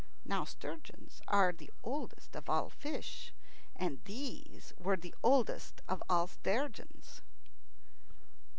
Now, sturgeons are the oldest of all fish, and these were the oldest of all sturgeons.